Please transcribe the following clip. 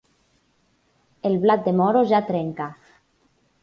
El blat de moro ja trenca.